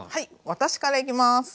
私からいきます。